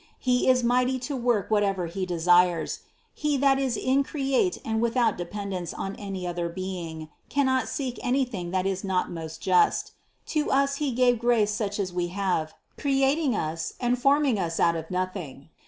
He is mighty to work whatever He desires. He that is increate and without dependence on any other being, cannot seek any thing that is not most just. To us He gave grace such as we have, creating us and forming us out of noth ing.